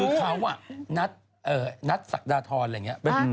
คือเขานัดศักดาทรอะไรอย่างนี้